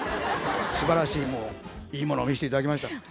すばらしいもういいものを見せていただきました。